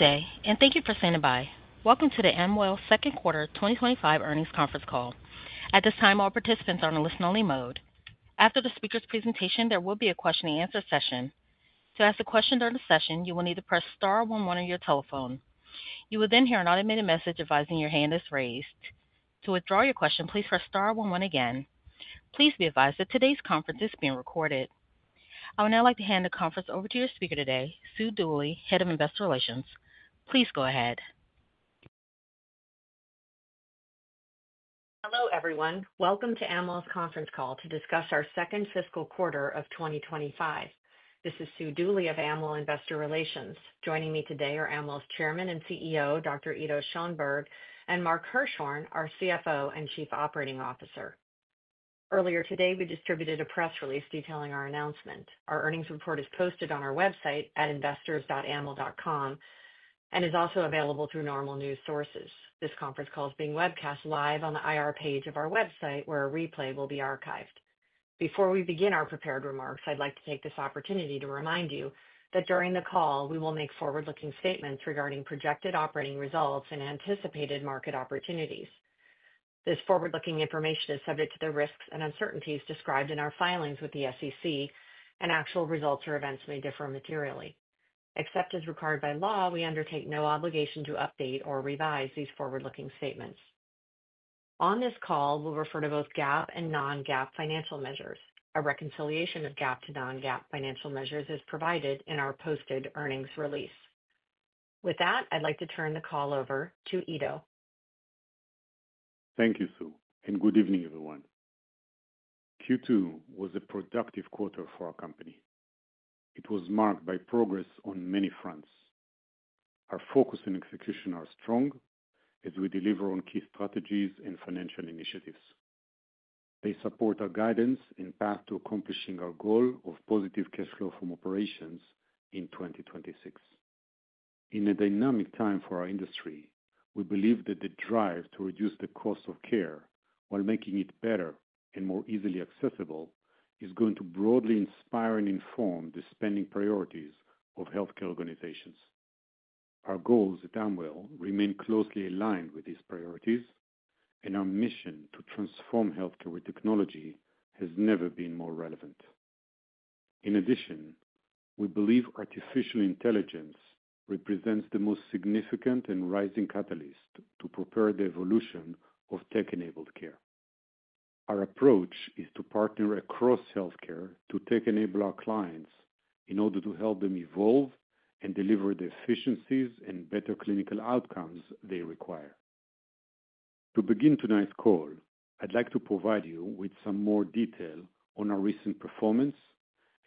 Today, and thank you for standing by. Welcome to the Amwell Second Quarter 2025 Earnings Conference Call. At this time, all participants are in a listen-only mode. After the speaker's presentation, there will be a question-and-answer session. To ask a question during the session, you will need to press star one one on your telephone. You will then hear an automated message advising your hand is raised. To withdraw your question, please press star one one again. Please be advised that today's conference is being recorded. I would now like to hand the conference over to your speaker today, Sue Dooley, Head of Investor Relations. Please go ahead. Hello, everyone. Welcome to Amwell's conference call to discuss our second fiscal quarter of 2025. This is Sue Dooley of Amwell Investor Relations. Joining me today are Amwell's Chairman and CEO, Dr. Ido Schoenberg, and Mark Hirschhorn, our CFO and Chief Operating Officer. Earlier today, we distributed a press release detailing our announcement. Our earnings report is posted on our website at investors.amwell.com and is also available through normal news sources. This conference call is being webcast live on the IR page of our website, where a replay will be archived. Before we begin our prepared remarks, I'd like to take this opportunity to remind you that during the call, we will make forward-looking statements regarding projected operating results and anticipated market opportunities. This forward-looking information is subject to the risks and uncertainties described in our filings with the SEC, and actual results or events may differ materially. Except as required by law, we undertake no obligation to update or revise these forward-looking statements. On this call, we'll refer to both GAAP and non-GAAP financial measures. A reconciliation of GAAP to non-GAAP financial measures is provided in our posted earnings release. With that, I'd like to turn the call over to Ido. Thank you, Sue, and good evening, everyone. Q2 was a productive quarter for our company. It was marked by progress on many fronts. Our focus and execution are strong as we deliver on key strategies and financial initiatives. They support our guidance and path to accomplishing our goal of positive cash flow from operations in 2026. In a dynamic time for our industry, we believe that the drive to reduce the cost of care while making it better and more easily accessible is going to broadly inspire and inform the spending priorities of healthcare organizations. Our goals at Amwell remain closely aligned with these priorities, and our mission to transform healthcare with technology has never been more relevant. In addition, we believe artificial intelligence represents the most significant and rising catalyst to propel the evolution of tech-enabled care. Our approach is to partner across healthcare to tech-enable our clients in order to help them evolve and deliver the efficiencies and better clinical outcomes they require. To begin tonight's call, I'd like to provide you with some more detail on our recent performance,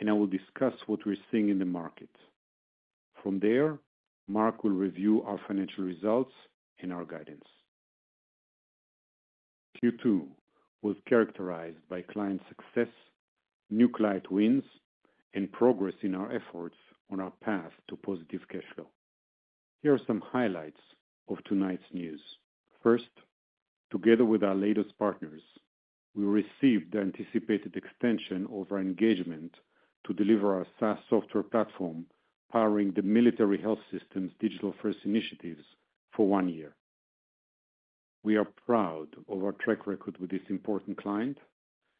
and I will discuss what we're seeing in the market. From there, Mark will review our financial results and our guidance. Q2 was characterized by client success, new client wins, and progress in our efforts on our path to positive cash flow. Here are some highlights of tonight's news. First, together with our latest partners, we received the anticipated extension of our engagement to deliver our SaaS platform, powering the Military Health System's digital-first initiatives for one year. We are proud of our track record with this important client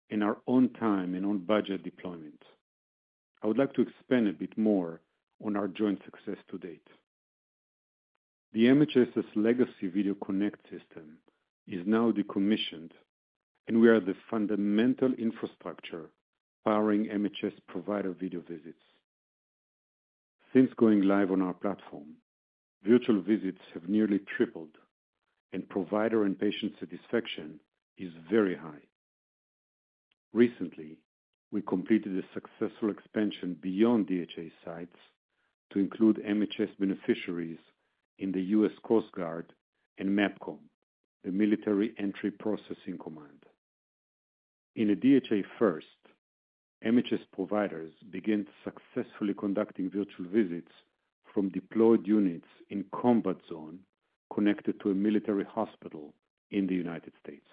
and our on-time and on-budget deployment. I would like to expand a bit more on our joint success to date. The MHS's legacy Video Connect system is now decommissioned, and we are the fundamental infrastructure powering MHS provider video visits. Since going live on our platform, virtual visits have nearly tripled, and provider and patient satisfaction is very high. Recently, we completed a successful expansion beyond DHA sites to include MHS beneficiaries in the U.S. Coast Guard and MEPCOM, the Military Entry Processing Command. In a DHA-first, MHS providers began successfully conducting virtual visits from deployed units in combat zone connected to a military hospital in the United States.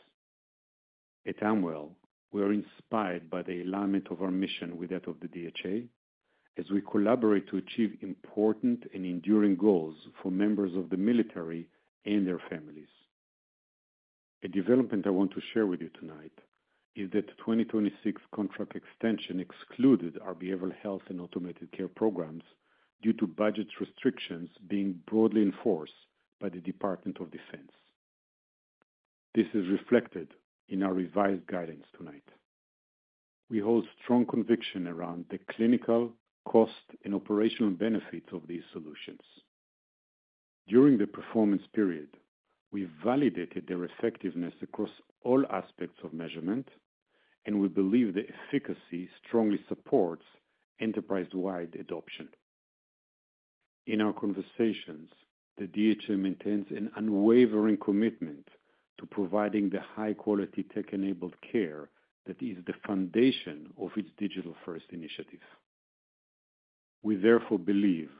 At Amwell, we are inspired by the alignment of our mission with that of the DHA as we collaborate to achieve important and enduring goals for members of the military and their families. A development I want to share with you tonight is that the 2026 contract extension excluded our behavioral health and automated care programs due to budget restrictions being broadly enforced by the Department of Defense. This is reflected in our revised guidance tonight. We hold strong conviction around the clinical, cost, and operational benefits of these solutions. During the performance period, we validated their effectiveness across all aspects of measurement, and we believe the efficacy strongly supports enterprise-wide adoption. In our conversations, the DHA maintains an unwavering commitment to providing the high-quality tech-enabled care that is the foundation of its digital-first initiative. We therefore believe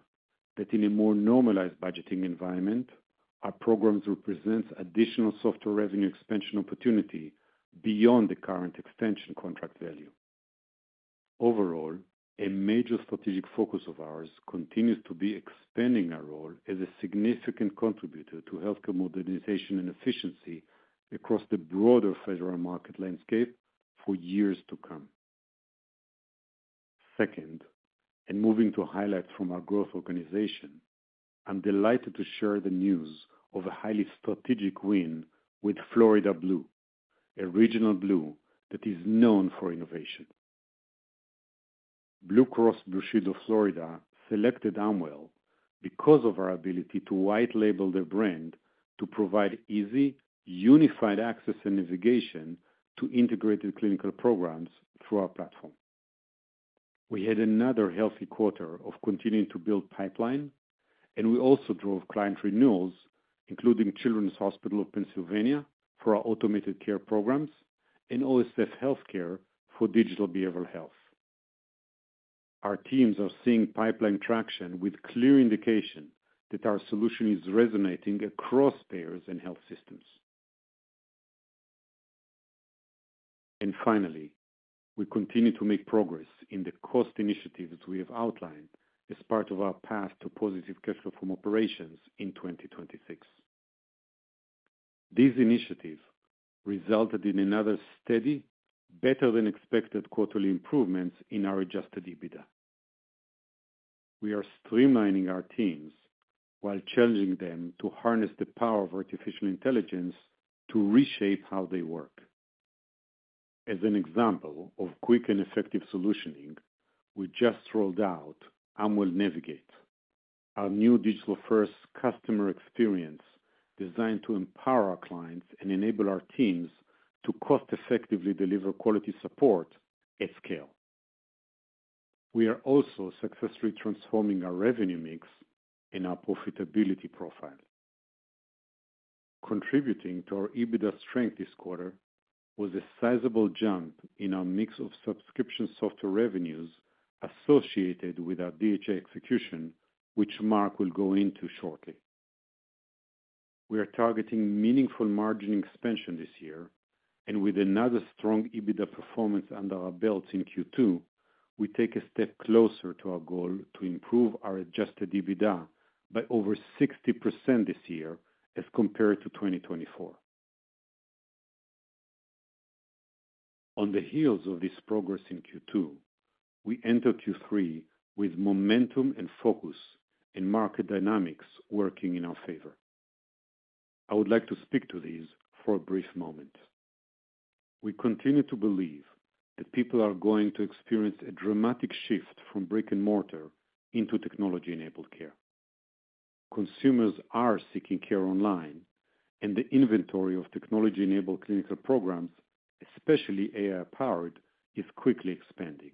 that in a more normalized budgeting environment, our programs represent additional software revenue expansion opportunity beyond the current extension contract value. Overall, a major strategic focus of ours continues to be expanding our role as a significant contributor to healthcare modernization and efficiency across the broader federal market landscape for years to come. Second, moving to highlights from our growth organization, I'm delighted to share the news of a highly strategic win with Florida Blue, a regional Blue that is known for innovation. Blue Cross Blue Shield of Florida selected Amwell because of our ability to white-label their brand to provide easy, unified access and navigation to integrated clinical programs through our platform. We had another healthy quarter of continuing to build pipeline, and we also drove client renewals, including Children's Hospital of Pennsylvania for our automated care programs and OSF Healthcare for digital behavioral health. Our teams are seeing pipeline traction with clear indication that our solution is resonating across payers and health systems. Finally, we continue to make progress in the cost initiatives we have outlined as part of our path to positive cash flow from operations in 2026. These initiatives resulted in another steady, better-than-expected quarterly improvements in our adjusted EBITDA. We are streamlining our teams while challenging them to harness the power of artificial intelligence to reshape how they work. As an example of quick and effective solutioning, we just rolled out Amwell Navigate, our new digital-first customer experience designed to empower our clients and enable our teams to cost-effectively deliver quality support at scale. We are also successfully transforming our revenue mix and our profitability profile. Contributing to our EBITDA strength this quarter was a sizable jump in our mix of subscription software revenues associated with our DHA execution, which Mark will go into shortly. We are targeting meaningful margin expansion this year, and with another strong EBITDA performance under our belts in Q2, we take a step closer to our goal to improve our adjusted EBITDA by over 60% this year as compared to 2024. On the heels of this progress in Q2, we enter Q3 with momentum and focus and market dynamics working in our favor. I would like to speak to these for a brief moment. We continue to believe that people are going to experience a dramatic shift from brick and mortar into technology-enabled care. Consumers are seeking care online, and the inventory of technology-enabled clinical programs, especially AI-powered, is quickly expanding.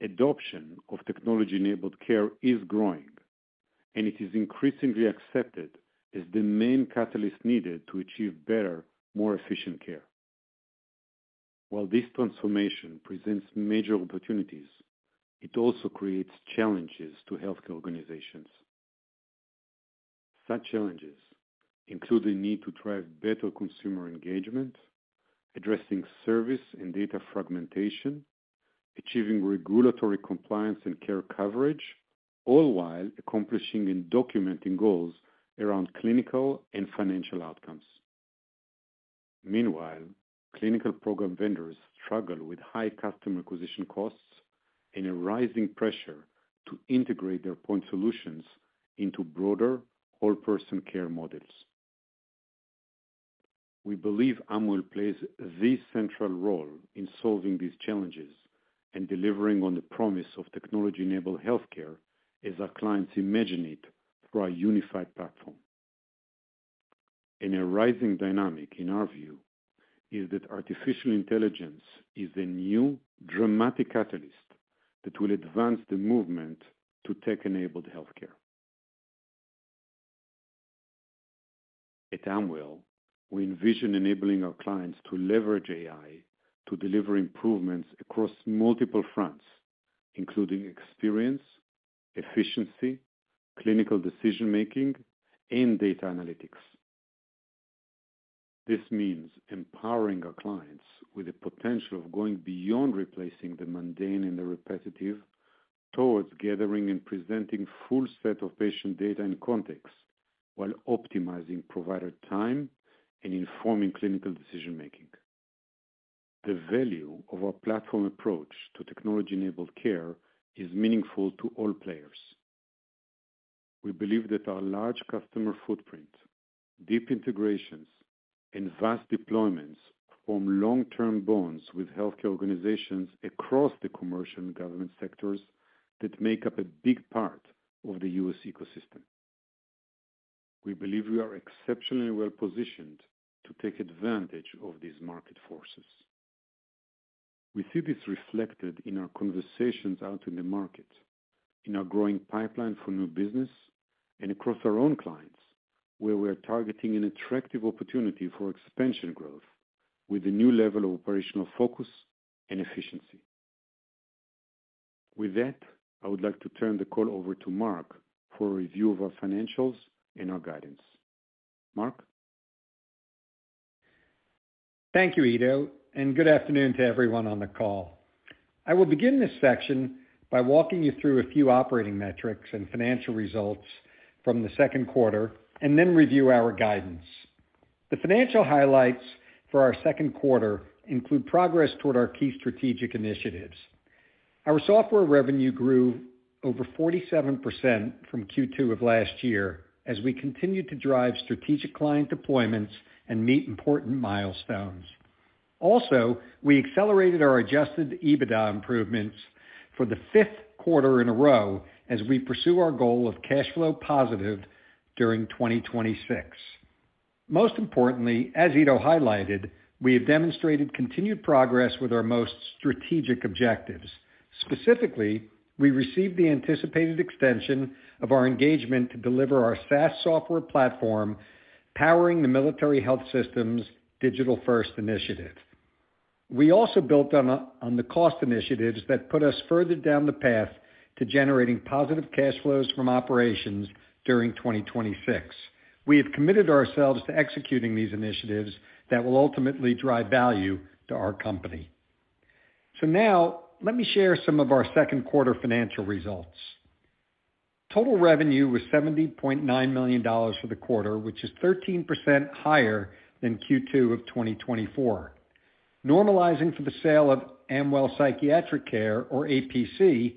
Adoption of technology-enabled care is growing, and it is increasingly accepted as the main catalyst needed to achieve better, more efficient care. While this transformation presents major opportunities, it also creates challenges to healthcare organizations. Such challenges include the need to drive better consumer engagement, addressing service and data fragmentation, achieving regulatory compliance and care coverage, all while accomplishing and documenting goals around clinical and financial outcomes. Meanwhile, clinical program vendors struggle with high customer acquisition costs and a rising pressure to integrate their point solutions into broader all-person care models. We believe Amwell plays a central role in solving these challenges and delivering on the promise of technology-enabled healthcare as our clients imagine it through our unified platform. A rising dynamic in our view is that artificial intelligence is a new, dramatic catalyst that will advance the movement to tech-enabled healthcare. At Amwell, we envision enabling our clients to leverage AI to deliver improvements across multiple fronts, including experience, efficiency, clinical decision-making, and data analytics. This means empowering our clients with the potential of going beyond replacing the mundane and the repetitive towards gathering and presenting a full set of patient data and context while optimizing provider time and informing clinical decision-making. The value of our platform approach to technology-enabled care is meaningful to all players. We believe that our large customer footprint, deep integrations, and vast deployments form long-term bonds with healthcare organizations across the commercial and government sectors that make up a big part of the U.S. ecosystem. We believe we are exceptionally well-positioned to take advantage of these market forces. We see this reflected in our conversations out in the market, in our growing pipeline for new business, and across our own clients, where we are targeting an attractive opportunity for expansion growth with a new level of operational focus and efficiency. With that, I would like to turn the call over to Mark for a review of our financials and our guidance. Mark? Thank you, Ido, and good afternoon to everyone on the call. I will begin this section by walking you through a few operating metrics and financial results from the second quarter and then review our guidance. The financial highlights for our second quarter include progress toward our key strategic initiatives. Our software revenue grew over 47% from Q2 of last year as we continued to drive strategic client deployments and meet important milestones. Also, we accelerated our adjusted EBITDA improvements for the fifth quarter in a row as we pursue our goal of cash flow positive during 2026. Most importantly, as Ido highlighted, we have demonstrated continued progress with our most strategic objectives. Specifically, we received the anticipated extension of our engagement to deliver our SaaS software platform, powering the Military Health System's digital-first initiative. We also built on the cost initiatives that put us further down the path to generating positive cash flows from operations during 2026. We have committed ourselves to executing these initiatives that will ultimately drive value to our company. Now, let me share some of our second quarter financial results. Total revenue was $70.9 million for the quarter, which is 13% higher than Q2 of 2024. Normalizing for the sale of Amwell Psychiatric Care, or APC,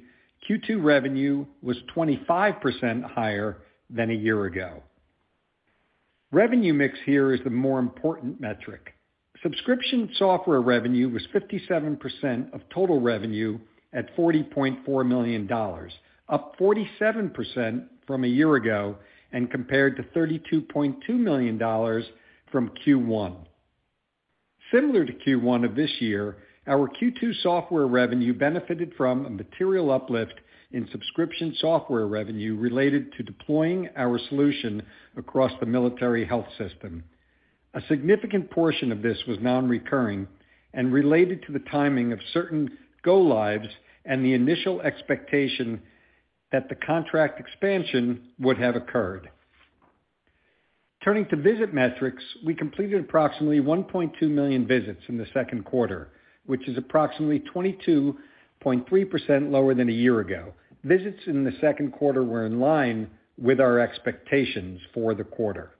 Q2 revenue was 25% higher than a year ago. Revenue mix here is the more important metric. Subscription software revenue was 57% of total revenue at $40.4 million, up 47% from a year ago and compared to $32.2 million from Q1. Similar to Q1 of this year, our Q2 software revenue benefited from a material uplift in subscription software revenue related to deploying our solution across the Military Health System. A significant portion of this was non-recurring and related to the timing of certain go-lives and the initial expectation that the contract expansion would have occurred. Turning to visit metrics, we completed approximately 1.2 million visits in the second quarter, which is approximately 22.3% lower than a year ago. Visits in the second quarter were in line with our expectations for the quarter.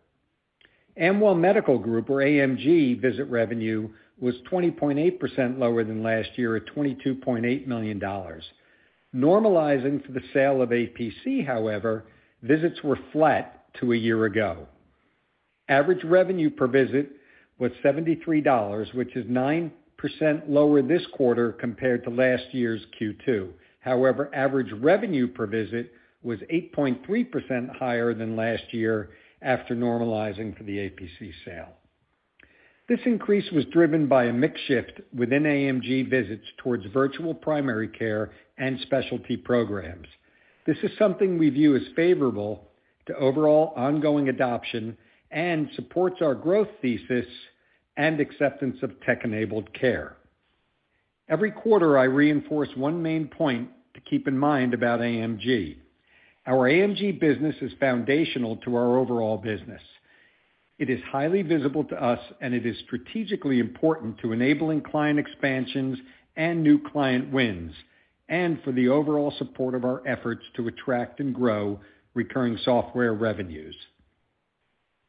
Amwell Medical Group, or AMG, visit revenue was 20.8% lower than last year at $22.8 million. Normalizing for the sale of APC, however, visits were flat to a year ago. Average revenue per visit was $73, which is 9% lower this quarter compared to last year's Q2. However, average revenue per visit was 8.3% higher than last year after normalizing for the APC sale. This increase was driven by a mix shift within AMG visits towards virtual primary care and specialty programs. This is something we view as favorable to overall ongoing adoption and supports our growth thesis and acceptance of tech-enabled care. Every quarter, I reinforce one main point to keep in mind about AMG. Our AMG business is foundational to our overall business. It is highly visible to us, and it is strategically important to enabling client expansions and new client wins and for the overall support of our efforts to attract and grow recurring software revenues.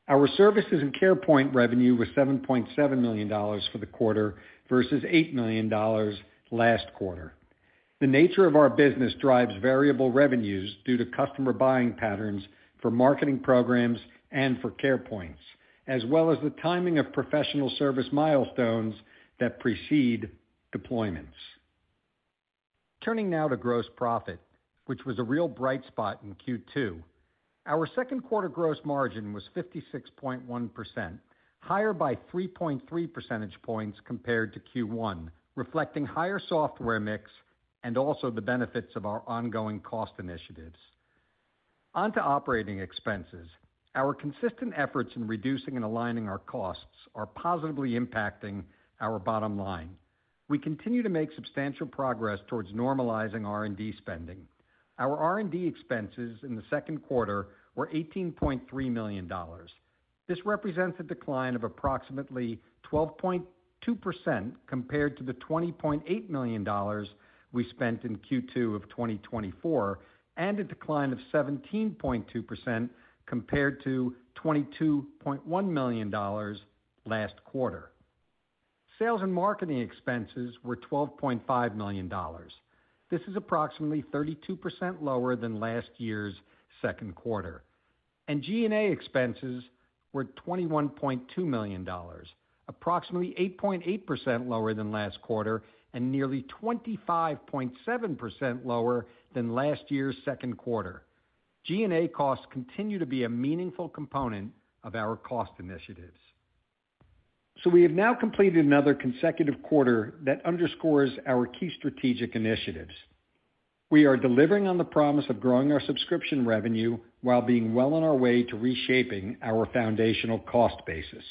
Our services and CarePoint revenue was $7.7 million for the quarter versus $8 million last quarter. The nature of our business drives variable revenues due to customer buying patterns for marketing programs and for CarePoint's, as well as the timing of professional service milestones that precede deployments. Turning now to gross profit, which was a real bright spot in Q2, our second quarter gross margin was 56.1%, higher by 3.3 percentage points compared to Q1, reflecting higher software mix and also the benefits of our ongoing cost initiatives. Onto operating expenses, our consistent efforts in reducing and aligning our costs are positively impacting our bottom line. We continue to make substantial progress towards normalizing R&D spending. Our R&D expenses in the second quarter were $18.3 million. This represents a decline of approximately 12.2% compared to the $20.8 million we spent in Q2 of 2023 and a decline of 17.2% compared to $22.1 million last quarter. Sales and marketing expenses were $12.5 million. This is approximately 32% lower than last year's second quarter. G&A expenses were $21.2 million, approximately 8.8% lower than last quarter and nearly 25.7% lower than last year's second quarter. G&A costs continue to be a meaningful component of our cost initiatives. We have now completed another consecutive quarter that underscores our key strategic initiatives. We are delivering on the promise of growing our subscription revenue while being well on our way to reshaping our foundational cost basis.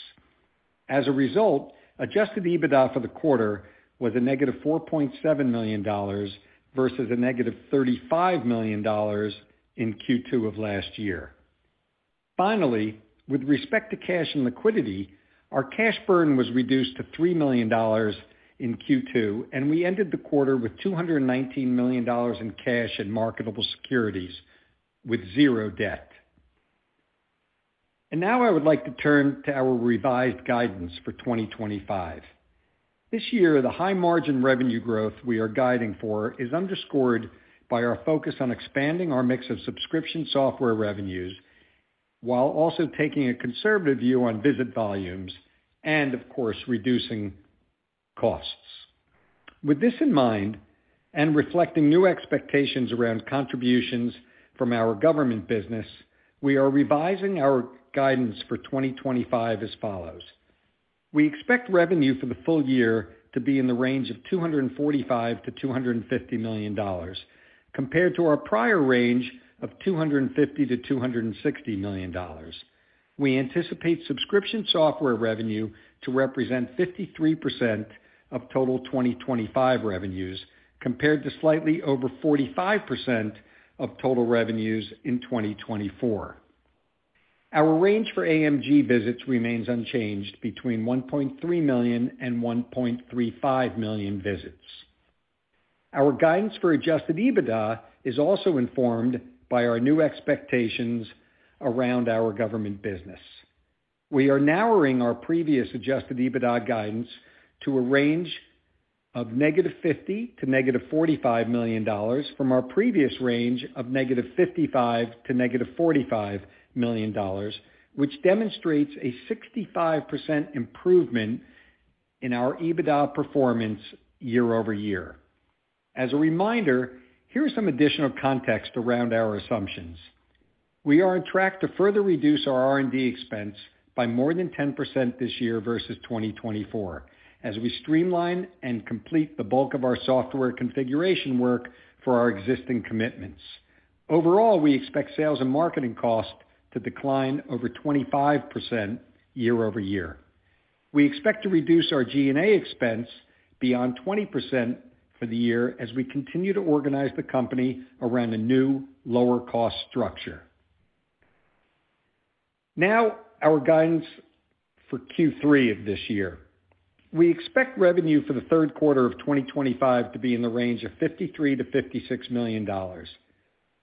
As a result, adjusted EBITDA for the quarter was a negative $4.7 million versus a negative $35 million in Q2 of last year. Finally, with respect to cash and liquidity, our cash burn was reduced to $3 million in Q2, and we ended the quarter with $219 million in cash and marketable securities with zero debt. I would like to turn to our revised guidance for 2025. This year, the high margin revenue growth we are guiding for is underscored by our focus on expanding our mix of subscription software revenues while also taking a conservative view on visit volumes and, of course, reducing costs. With this in mind and reflecting new expectations around contributions from our government business, we are revising our guidance for 2025 as follows. We expect revenue for the full year to be in the range of $245 million-$250 million compared to our prior range of $250 million-$260 million. We anticipate subscription software revenue to represent 53% of total 2025 revenues compared to slightly over 45% of total revenues in 2024. Our range for AMG visits remains unchanged between 1.3 million-1.35 million visits. Our guidance for adjusted EBITDA is also informed by our new expectations around our government business. We are narrowing our previous adjusted EBITDA guidance to a range of -$50 to -$45 million from our previous range of -$55 to -$45 million, which demonstrates a 65% improvement in our EBITDA performance year-over-year. As a reminder, here's some additional context around our assumptions. We are on track to further reduce our R&D expense by more than 10% this year versus 2024 as we streamline and complete the bulk of our software configuration work for our existing commitments. Overall, we expect sales and marketing costs to decline over 25% year-over-year. We expect to reduce our G&A expense beyond 20% for the year as we continue to organize the company around a new lower-cost structure. Now, our guidance for Q3 of this year. We expect revenue for the third quarter of 2025 to be in the range of $53 million-$56 million.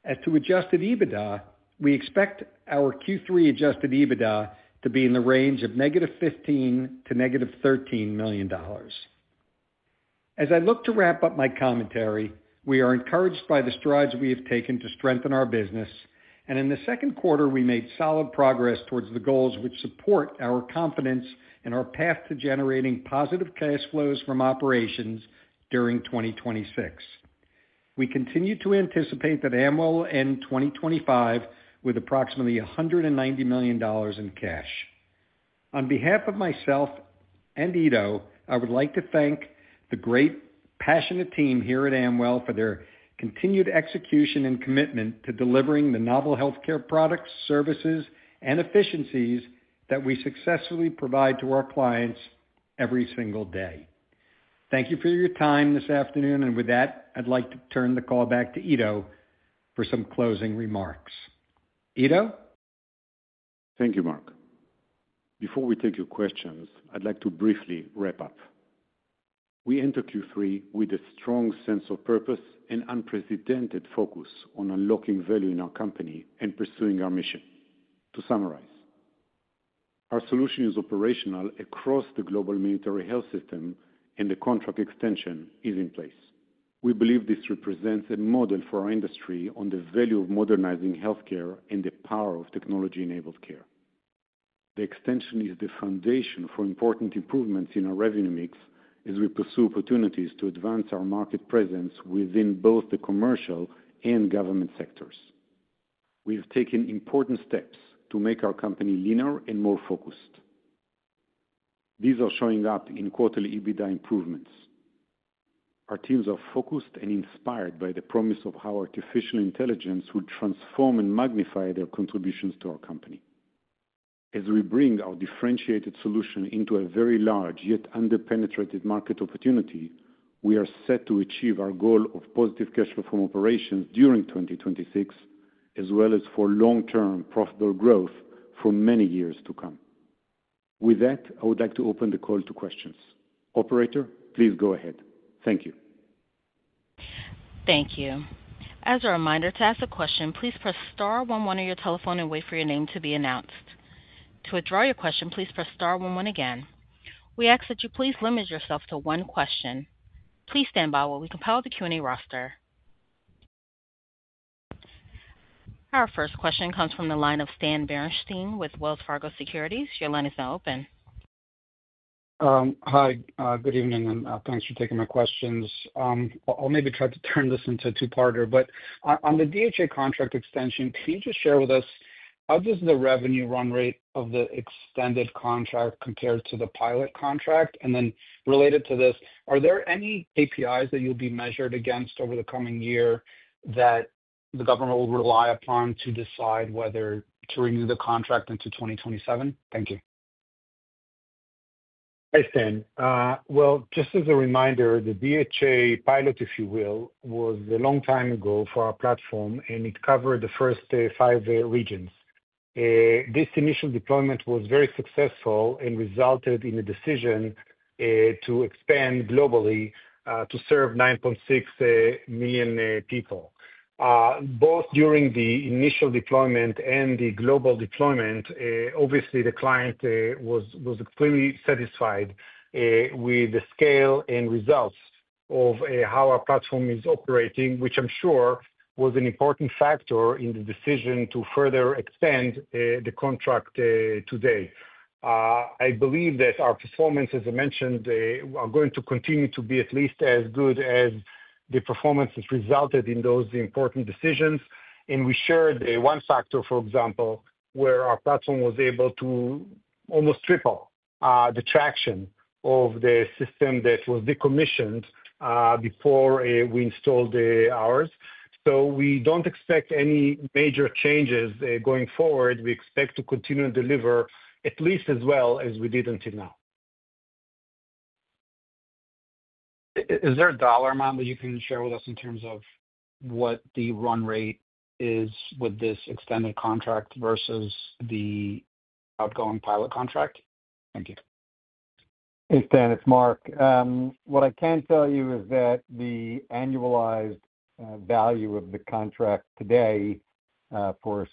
As to adjusted EBITDA, we expect our Q3 adjusted EBITDA to be in the range of -$15 to -$13 million. As I look to wrap up my commentary, we are encouraged by the strides we have taken to strengthen our business, and in the second quarter, we made solid progress towards the goals which support our confidence and our path to generating positive cash flows from operations during 2026. We continue to anticipate that Amwell will end 2025 with approximately $190 million in cash. On behalf of myself and Ido, I would like to thank the great, passionate team here at Amwell for their continued execution and commitment to delivering the novel healthcare products, services, and efficiencies that we successfully provide to our clients every single day. Thank you for your time this afternoon, and with that, I'd like to turn the call back to Ido for some closing remarks. Ido? Thank you, Mark. Before we take your questions, I'd like to briefly wrap up. We enter Q3 with a strong sense of purpose and unprecedented focus on unlocking value in our company and pursuing our mission. To summarize, our solution is operational across the global Military Health System, and the contract extension is in place. We believe this represents a model for our industry on the value of modernizing healthcare and the power of technology-enabled care. The extension is the foundation for important improvements in our revenue mix as we pursue opportunities to advance our market presence within both the commercial and government sectors. We've taken important steps to make our company leaner and more focused. These are showing up in quarterly EBITDA improvements. Our teams are focused and inspired by the promise of how artificial intelligence would transform and magnify their contributions to our company. As we bring our differentiated solution into a very large yet underpenetrated market opportunity, we are set to achieve our goal of positive cash flow from operations during 2026, as well as for long-term profitable growth for many years to come. With that, I would like to open the call to questions. Operator, please go ahead. Thank you. Thank you. As a reminder, to ask a question, please press star one one on your telephone and wait for your name to be announced. To withdraw your question, please press star one one again. We ask that you please limit yourself to one question. Please stand by while we compile the Q&A roster. Our first question comes from the line of Stan Berenshteyn with Wells Fargo Securities. Your line is now open. Hi. Good evening, and thanks for taking my questions. I'll maybe try to turn this into a two-parter, but on the DHA contract extension, can you just share with us how does the revenue run rate of the extended contract compare to the pilot contract? Related to this, are there any KPIs that you'll be measured against over the coming year that the government will rely upon to decide whether to renew the contract into 2027? Thank you. Hi, Stan. Just as a reminder, the DHA pilot, if you will, was a long time ago for our platform, and it covered the first five regions. This initial deployment was very successful and resulted in a decision to expand globally to serve 9.6 million people. Both during the initial deployment and the global deployment, obviously, the client was pretty satisfied with the scale and results of how our platform is operating, which I'm sure was an important factor in the decision to further extend the contract today. I believe that our performance, as I mentioned, is going to continue to be at least as good as the performance that resulted in those important decisions. We shared the one factor, for example, where our platform was able to almost triple the traction of the system that was decommissioned before we installed ours. We don't expect any major changes going forward. We expect to continue to deliver at least as well as we did until now. Is there a dollar amount that you can share with us in terms of what the run rate is with this extended contract versus the outgoing pilot contract? Thank you. Hey, Stan. It's Mark. What I can tell you is that the annualized value of the contract today for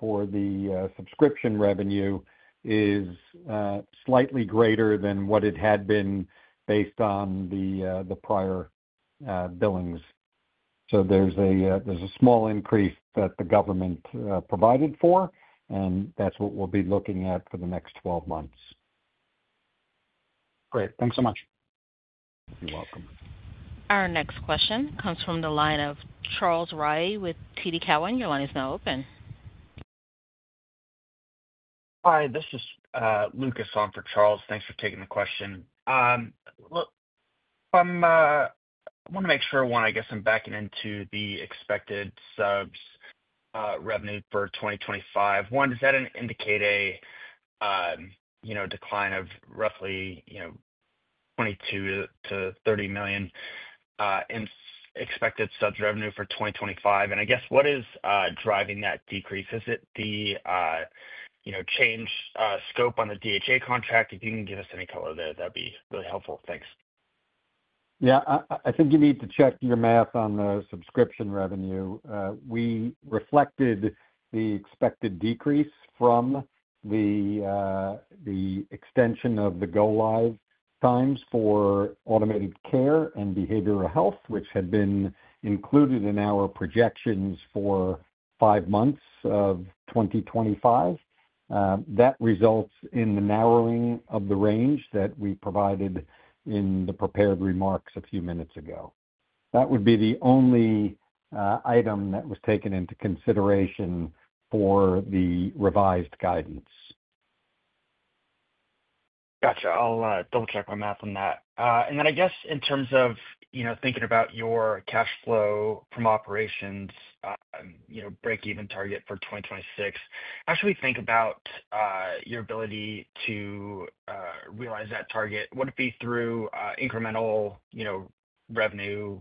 the subscription revenue is slightly greater than what it had been based on the prior billings. There's a small increase that the government provided for, and that's what we'll be looking at for the next 12 months. Great. Thanks so much. You're welcome. Our next question comes from the line of Charles Rhyee with TD Cowen. Your line is now open. Hi. This is Lucas on for Charles. Thanks for taking the question. I want to make sure, one, I guess I'm backing into the expected subs revenue for 2025. One, does that indicate a decline of roughly $22 million-$30 million in expected subs revenue for 2025? I guess what is driving that decrease? Is it the change in scope on the DHA contract? If you can give us any color there, that'd be really helpful. Thanks. Yeah. I think you need to check your math on the subscription revenue. We reflected the expected decrease from the extension of the go-live times for Automated Care and Behavioral Health, which had been included in our projections for five months of 2025. That results in the narrowing of the range that we provided in the prepared remarks a few minutes ago. That would be the only item that was taken into consideration for the revised guidance. Gotcha. Don't check my math on that. In terms of thinking about your cash flow from operations, you know, break-even target for 2026, I actually think about your ability to realize that target. Would it be through incremental revenue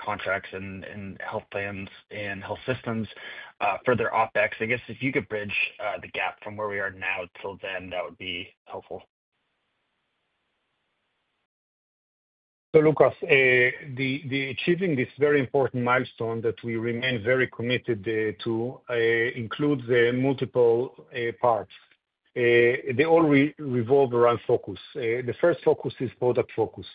contracts and health plans and health systems for their OpEx? If you could bridge the gap from where we are now till then, that would be helpful. Lucas, achieving this very important milestone that we remain very committed to includes multiple parts. They all revolve around focus. The first focus is product focus.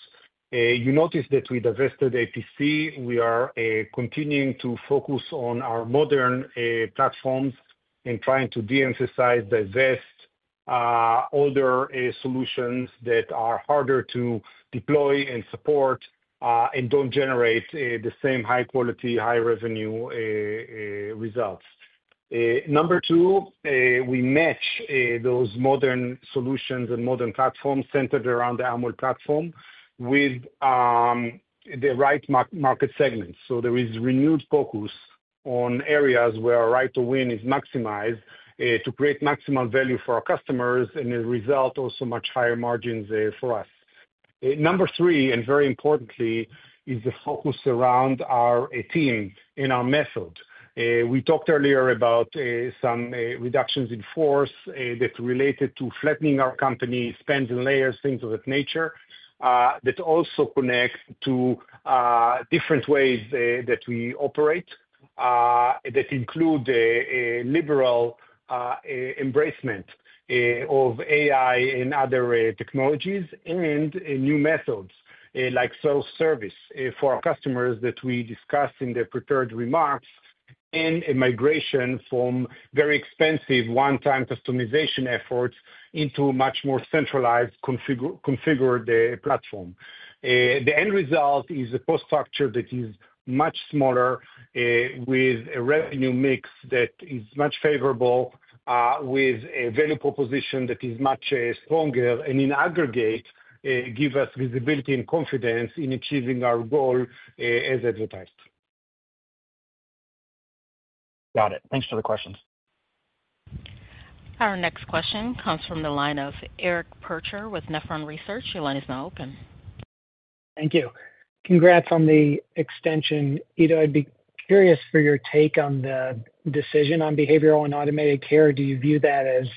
You notice that we divested APC. We are continuing to focus on our modern platform and trying to de-emphasize diverse older solutions that are harder to deploy and support and don't generate the same high quality, high revenue results. Number two, we match those modern solutions and modern platforms centered around the Amwell platform with the right market segments. There is renewed focus on areas where our right to win is maximized to create maximum value for our customers and result also in much higher margins for us. Number three, and very importantly, is the focus around our team and our method. We talked earlier about some reductions in force that related to flattening our company, spending layers, things of that nature that also connect to different ways that we operate that include the liberal embracement of artificial intelligence and other technologies and new methods like self-service for our customers that we discussed in the prepared remarks and a migration from very expensive one-time customization efforts into a much more centralized configured platform. The end result is a cost structure that is much smaller with a revenue mix that is much favorable with a value proposition that is much stronger and in aggregate gives us visibility and confidence in achieving our goal as advertised. Got it. Thanks for the questions. Our next question comes from the line of Eric Percher with Nephron Research. Your line is now open. Thank you. Congrats on the extension. Ido, I'd be curious for your take on the decision on behavioral and automated care. Do you view that as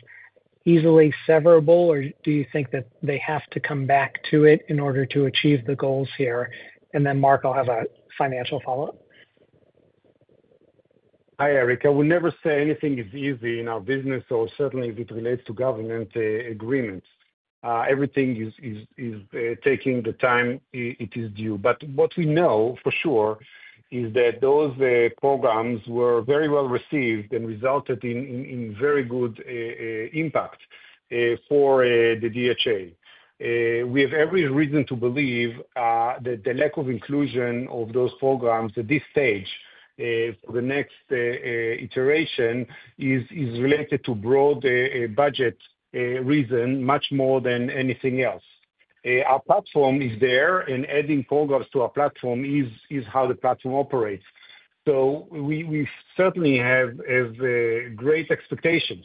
easily severable, or do you think that they have to come back to it in order to achieve the goals here? Mark, I'll have a financial follow-up. Hi, Eric. I would never say anything is easy in our business, or certainly if it relates to government agreements. Everything is taking the time it is due. What we know for sure is that those programs were very well received and resulted in very good impact for the DHA. We have every reason to believe that the lack of inclusion of those programs at this stage for the next iteration is related to broad budget reasons much more than anything else. Our platform is there, and adding programs to our platform is how the platform operates. We certainly have great expectations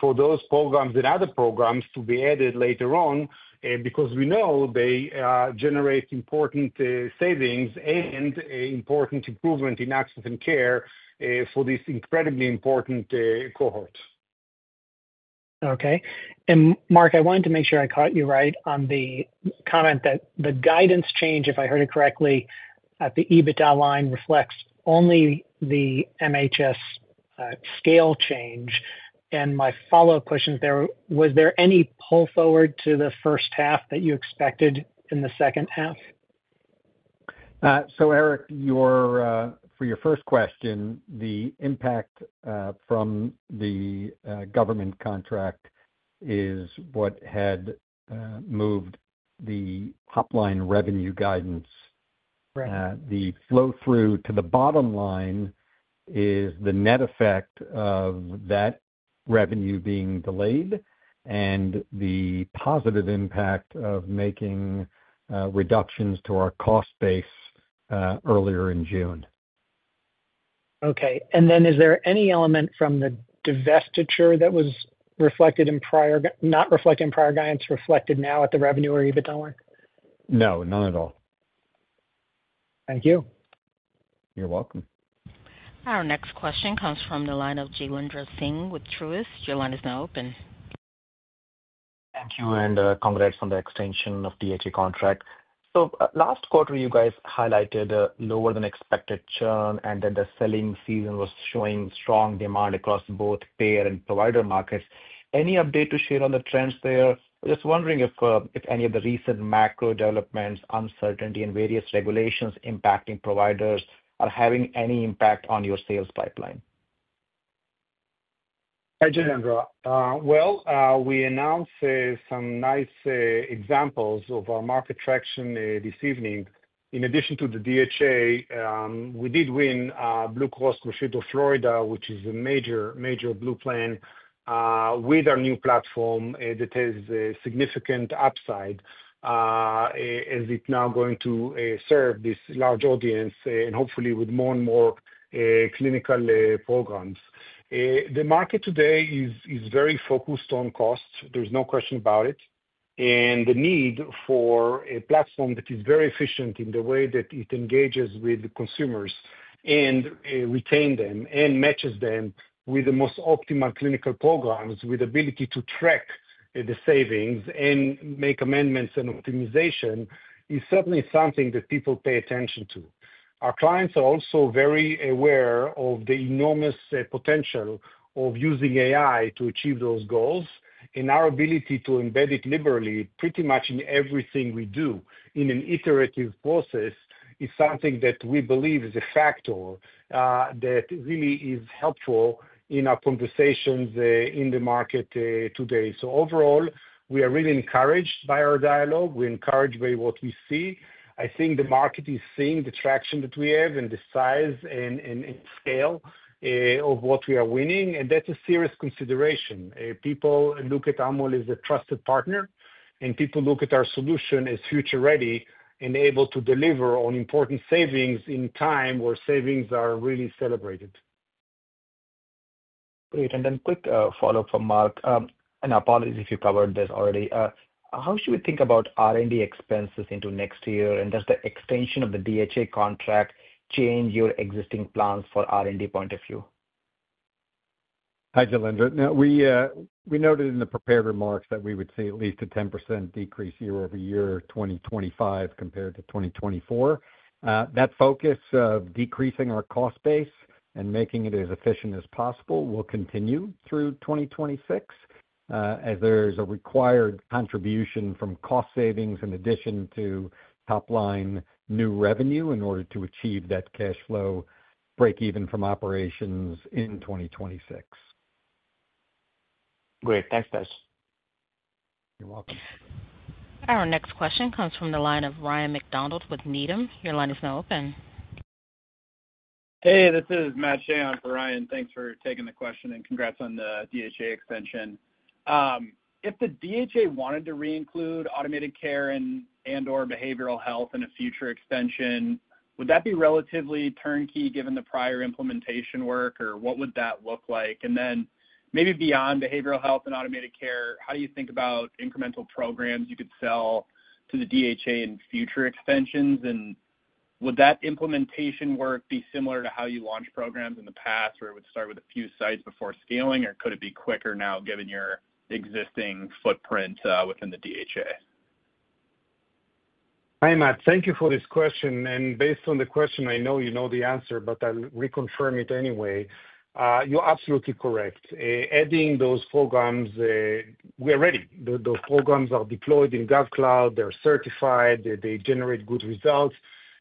for those programs and other programs to be added later on because we know they generate important savings and important improvement in access and care for this incredibly important cohort. Okay. Mark, I wanted to make sure I caught you right on the comment that the guidance change, if I heard it correctly, at the EBITDA line reflects only the MHS scale change. My follow-up question is, was there any pull forward to the first half that you expected in the second half? Eric, for your first question, the impact from the government contract is what had moved the top-line revenue guidance. The flow-through to the bottom line is the net effect of that revenue being delayed and the positive impact of making reductions to our cost base earlier in June. Okay. Is there any element from the divestiture that was reflected in prior, not reflected in prior guidance, reflected now at the revenue or EBITDA line? No, none at all. Thank you. You're welcome. Our next question comes from the line of Jailendra Singh with Truist. Your line is now open. Thank you, and congrats on the extension of the DHA contract. Last quarter, you guys highlighted lower-than-expected churn and that the selling season was showing strong demand across both payer and provider markets. Any update to share on the trends there? I'm just wondering if any of the recent macro developments, uncertainty, and various regulations impacting providers are having any impact on your sales pipeline? Hi, Jailendra. We announced some nice examples of our market traction this evening. In addition to the DHA, we did win Blue Cross Blue Shield of Florida, which is a major, major Blue plan with our new platform that has significant upside. It is now going to serve this large audience and hopefully with more and more clinical programs. The market today is very focused on cost. There is no question about it. The need for a platform that is very efficient in the way that it engages with the consumers and retains them and matches them with the most optimal clinical programs, with the ability to track the savings and make amendments and optimization, is certainly something that people pay attention to. Our clients are also very aware of the enormous potential of using artificial intelligence to achieve those goals. Our ability to embed it liberally pretty much in everything we do in an iterative process is something that we believe is a factor that really is helpful in our conversations in the market today. Overall, we are really encouraged by our dialogue. We are encouraged by what we see. I think the market is seeing the traction that we have and the size and scale of what we are winning, and that is a serious consideration. People look at Amwell as a trusted partner, and people look at our solution as future-ready and able to deliver on important savings in a time where savings are really celebrated. Great. Quick follow-up for Mark. Apologies if you covered this already. How should we think about R&D expenses into next year, and does the extension of the DHA contract change your existing plans for R&D point of view? Hi, Jailendra. Now, we noted in the prepared remarks that we would see at least a 10% decrease year-over-year 2025 compared to 2024. That focus of decreasing our cost base and making it as efficient as possible will continue through 2026, as there is a required contribution from cost savings in addition to top-line new revenue in order to achieve that cash flow break-even from operations in 2026. Great. Thanks, guys. You're welcome. Our next question comes from the line of Ryan McDonald with Needham. Your line is now open. Hey, this is Matt Shea on for Ryan. Thanks for taking the question and congrats on the DHA extension. If the DHA wanted to reinclude automated care and/or behavioral health in a future extension, would that be relatively turnkey given the prior implementation work, or what would that look like? Maybe beyond behavioral health and automated care, how do you think about incremental programs you could sell to the DHA in future extensions? Would that implementation work be similar to how you launched programs in the past where it would start with a few sites before scaling, or could it be quicker now given your existing footprint within the DHA? Hi, Matt. Thank you for this question. Based on the question, I know you know the answer, but I'll reconfirm it anyway. You're absolutely correct. Adding those programs, we are ready. The programs are deployed in [GovCloud]. They're certified. They generate good results.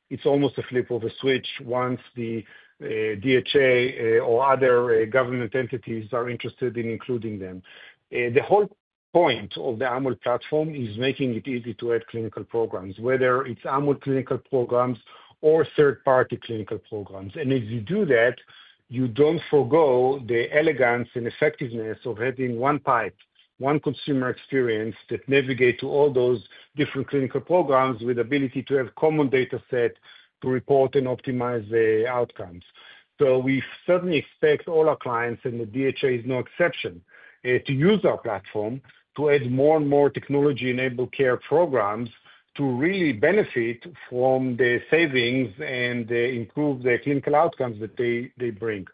It's almost a flip of a switch once the DHA or other government entities are interested in including them. The whole point of the Amwell platform is making it easy to add clinical programs, whether it's Amwell clinical programs or third-party clinical programs. If you do that, you don't forgo the elegance and effectiveness of having one pipe, one consumer experience that navigates to all those different clinical programs with the ability to have a common data set to report and optimize the outcomes. We certainly expect all our clients, and the DHA is no exception, to use our platform to add more and more technology-enabled care programs to really benefit from the savings and improve the clinical outcomes that they bring.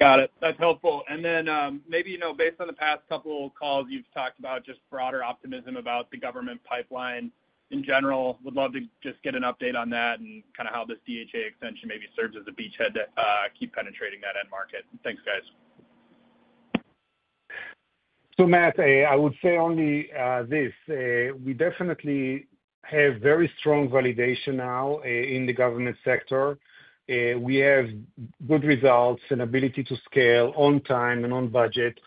Got it. That's helpful. Maybe, you know, based on the past couple of calls, you've talked about just broader optimism about the government pipeline in general. Would love to just get an update on that and kind of how this DHA extension maybe serves as a beachhead to keep penetrating that end market. Thanks, guys. Matt, I would say only this. We definitely have very strong validation now in the government sector. We have good results and ability to scale on time and on budget.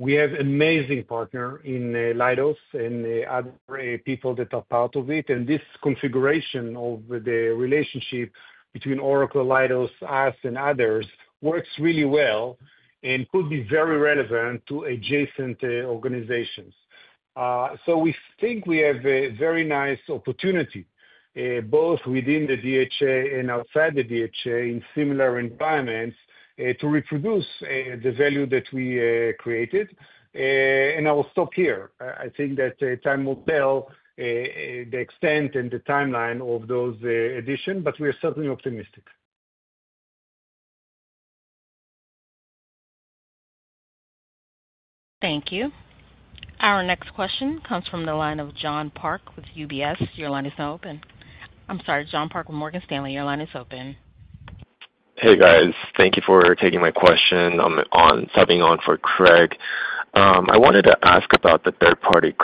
We have an amazing partner in Leidos and other people that are part of it. This configuration of the relationship between Oracle, Leidos, us, and others works really well and could be very relevant to adjacent organizations. We think we have a very nice opportunity, both within the DHA and outside the DHA in similar environments, to reproduce the value that we created. I will stop here. I think that time will tell the extent and the timeline of those additions, but we are certainly optimistic. Thank you. Our next question comes from the line of John Park with UBS. I'm sorry. John Park with Morgan Stanley. Your line is open. Thank you for taking my question. I'm typing on for Craig. I wanted to ask about the third-party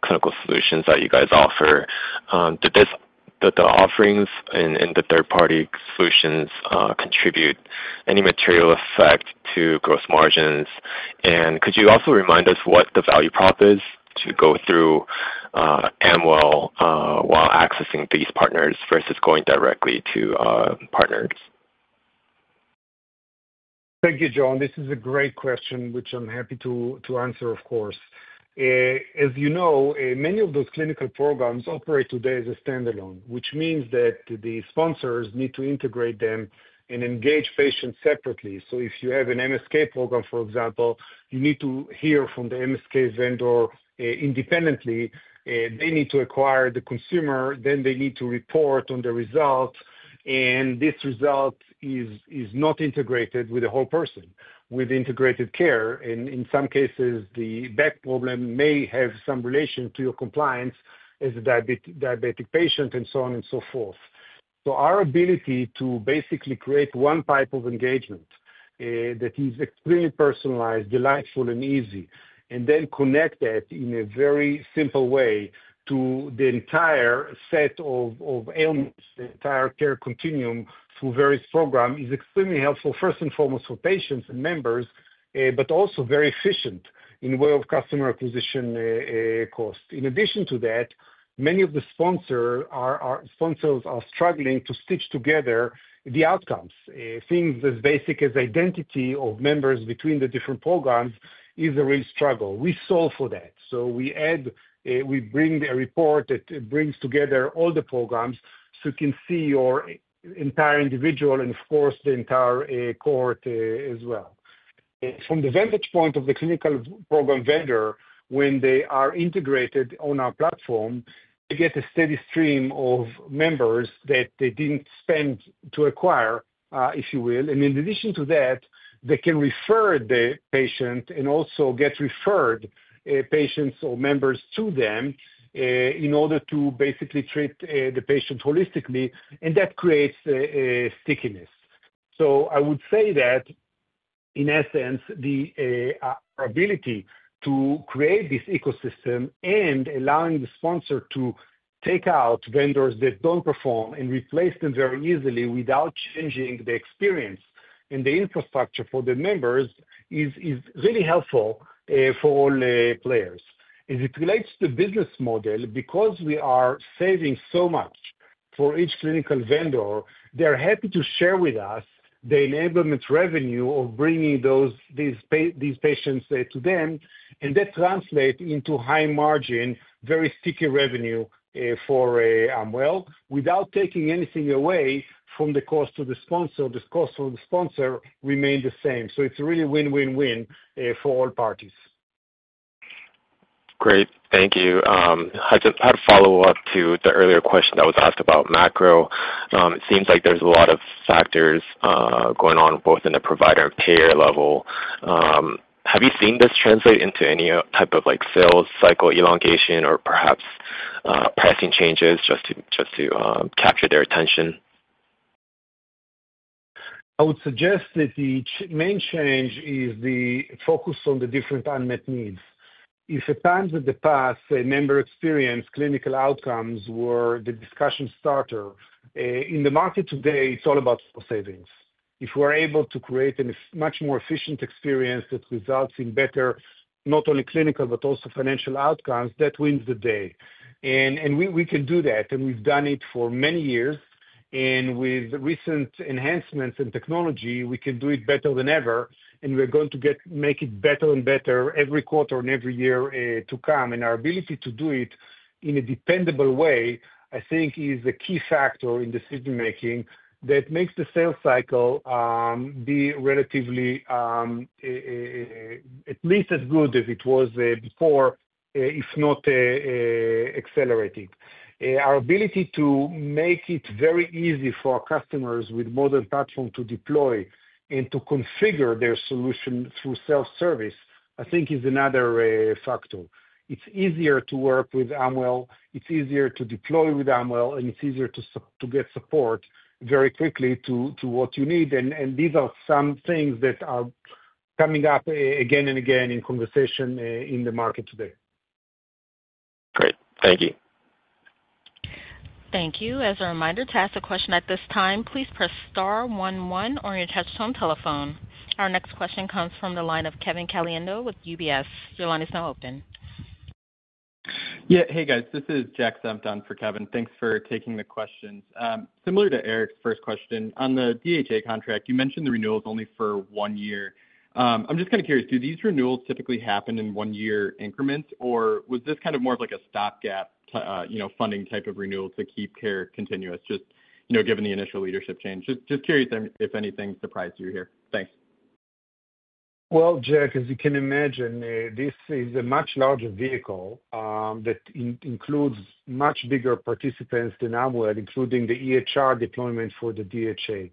clinical solutions that you guys offer. Do the offerings in the third-party solutions contribute any material effect to gross margins? Could you also remind us what the value prop is to go through Amwell while accessing these partners versus going directly to partners? Thank you, John. This is a great question, which I'm happy to answer, of course. As you know, many of those clinical programs operate today as a standalone, which means that the sponsors need to integrate them and engage patients separately. If you have an MSK program, for example, you need to hear from the MSK vendor independently. They need to acquire the consumer, then they need to report on the results. This result is not integrated with the whole person, with integrated care. In some cases, the back problem may have some relation to your compliance as a diabetic patient and so on and so forth. Our ability to basically create one type of engagement that is extremely personalized, delightful, and easy, and then connect that in a very simple way to the entire set of ailments, the entire care continuum through various programs is extremely helpful, first and foremost for patients and members, but also very efficient in the way of customer acquisition cost. In addition to that, many of the sponsors are struggling to stitch together the outcomes. Things as basic as identity of members between the different programs is a real struggle. We solve for that. We add, we bring a report that brings together all the programs so you can see your entire individual and, of course, the entire cohort as well. From the vantage point of the clinical program vendor, when they are integrated on our platform, they get a steady stream of members that they didn't spend to acquire, if you will. In addition to that, they can refer the patient and also get referred patients or members to them in order to basically treat the patient holistically, and that creates a stickiness. I would say that, in essence, our ability to create this ecosystem and allowing the sponsor to take out vendors that don't perform and replace them very easily without changing the experience and the infrastructure for the members is really helpful for all players. As it relates to the business model, because we are saving so much for each clinical vendor, they're happy to share with us the enablement revenue of bringing these patients to them. That translates into high margin, very sticky revenue for Amwell without taking anything away from the cost to the sponsor. The cost for the sponsor remains the same. It's really win-win-win for all parties. Great. Thank you. I had a follow-up to the earlier question that was asked about macro. It seems like there's a lot of factors going on both in the provider and payer level. Have you seen this translate into any type of sales cycle elongation or perhaps pricing changes just to capture their attention? I would suggest that the main change is the focus on the different unmet needs. If at times in the past, a member experienced clinical outcomes were the discussion starter, in the market today, it's all about savings. If we're able to create a much more efficient experience that results in better, not only clinical but also financial outcomes, that wins the day. We can do that. We've done it for many years. With recent enhancements in technology, we can do it better than ever. We're going to make it better and better every quarter and every year to come. Our ability to do it in a dependable way, I think, is a key factor in decision-making that makes the sales cycle be relatively at least as good as it was before, if not accelerated. Our ability to make it very easy for our customers with modern platforms to deploy and to configure their solution through self-service, I think, is another factor. It's easier to work with Amwell. It's easier to deploy with Amwell. It's easier to get support very quickly to what you need. These are some things that are coming up again and again in conversation in the market today. Great. Thank you. Thank you. As a reminder, to ask a question at this time, please press star one one on your touchtone telephone. Our next question comes from the line of Kevin Caliendo with UBS. Your line is now open. Yeah. Hey, guys. This is Jack Senft for Kevin. Thanks for taking the questions. Similar to Eric's first question, on the DHA contract, you mentioned the renewal is only for one year. I'm just kind of curious, do these renewals typically happen in one-year increments, or was this kind of more of like a stopgap funding type of renewal to keep care continuous just given the initial leadership change? Just curious if anything surprised you here. Thanks. Jack, as you can imagine, this is a much larger vehicle that includes much bigger participants than Amwell, including the EHR deployment for the DHA.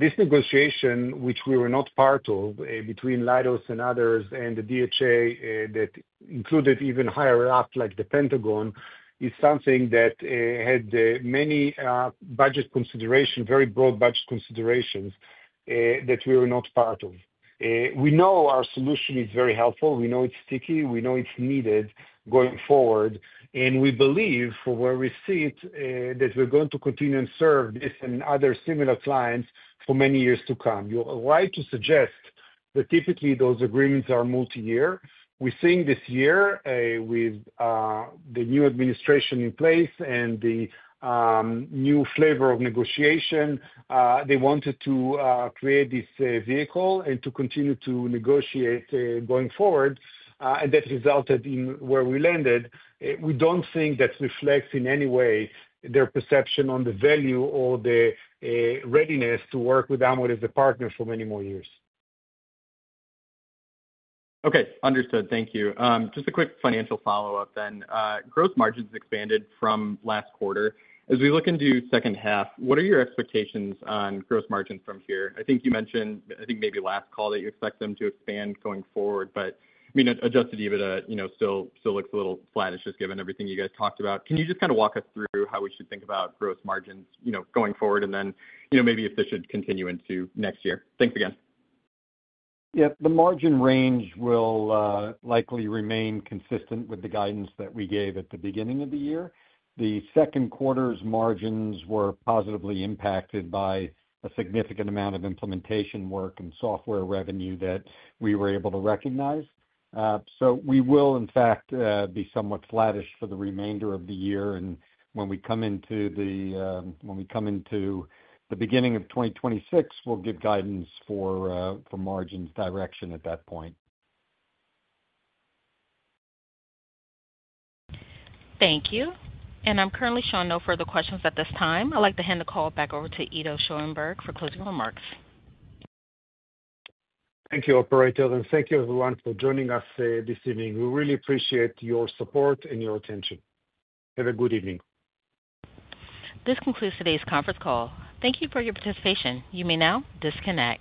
This negotiation, which we were not part of between Leidos and others and the DHA that included even higher up like the Pentagon, is something that had many budget considerations, very broad budget considerations that we were not part of. We know our solution is very helpful. We know it's sticky. We know it's needed going forward. We believe, from where we sit, that we're going to continue and serve this and other similar clients for many years to come. You're right to suggest that, typically, those agreements are multi-year. We're seeing this year with the new administration in place and the new flavor of negotiation. They wanted to create this vehicle and to continue to negotiate going forward. That resulted in where we landed. We don't think that reflects in any way their perception on the value or the readiness to work with Amwell as a partner for many more years. Okay. Understood. Thank you. Just a quick financial follow-up then. Gross margins expanded from last quarter. As we look into the second half, what are your expectations on gross margins from here? I think you mentioned, I think maybe last call, that you expect them to expand going forward. Adjusted EBITDA still looks a little flat-ish just given everything you guys talked about. Can you just kind of walk us through how we should think about gross margins going forward and then maybe if this should continue into next year? Thanks again. Yeah. The margin range will likely remain consistent with the guidance that we gave at the beginning of the year. The second quarter's margins were positively impacted by a significant amount of implementation work and software revenue that we were able to recognize. We will, in fact, be somewhat flatish for the remainder of the year. When we come into the beginning of 2026, we'll give guidance for margins' direction at that point. Thank you. I'm currently showing no further questions at this time. I'd like to hand the call back over to Ido Schoenberg for closing remarks. Thank you, Operator. Thank you, everyone, for joining us this evening. We really appreciate your support and your attention. Have a good evening. This concludes today's conference call. Thank you for your participation. You may now disconnect.